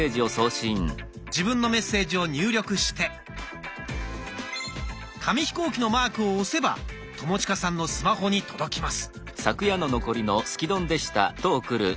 自分のメッセージを入力して紙飛行機のマークを押せば友近さんのスマホに届きます。